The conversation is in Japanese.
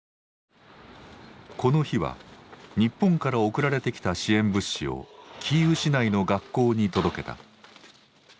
この日は日本から送られてきた支援物資をキーウ市内の学校に届けた。